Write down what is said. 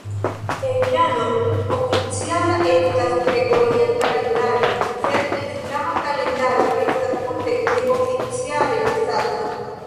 En Irano oficiala estas gregoria kalendaro sed islama kalendaro estas multe neoficiale uzata.